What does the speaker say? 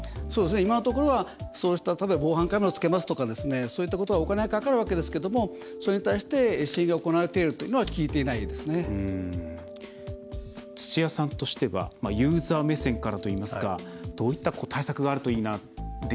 今のところは、そうした例えば防犯カメラをつけますとかそういったことはお金がかかるわけですけどもそれに対して支援が行われているというのは土屋さんとしてはユーザー目線からといいますかどういった対策があるといいなと。